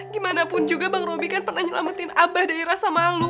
gimanapun juga bang robi kan pernah nyelamatin abah dari rasa malu